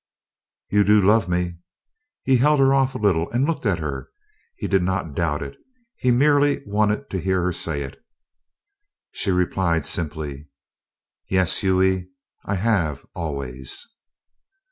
"You do love me?" He held her off a little and looked at her. He did not doubt it he merely wanted to hear her say it. She replied simply: "Yes, Hughie. I have always."